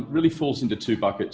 benar benar terdiri dalam dua bukit